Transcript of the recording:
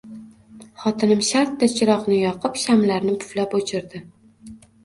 Xotinim shartta chiroqni yoqib, shamlarni puflab o`chirdi